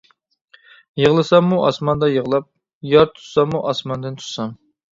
يىغلىساممۇ ئاسماندا يىغلاپ، يار تۇتساممۇ ئاسماندىن تۇتسام.